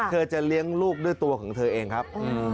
จะเลี้ยงลูกด้วยตัวของเธอเองครับ